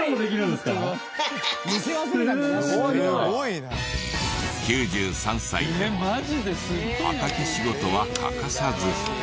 すごい！９３歳でも畑仕事は欠かさず。